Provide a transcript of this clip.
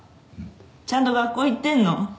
ちゃんと学校行ってんの？